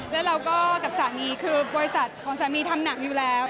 แล้วเราก็กับสามีคือบริษัทของสามีทำหนังอยู่แล้ว